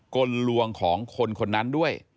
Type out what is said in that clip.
กลลวงของคนคนนั้นด้วย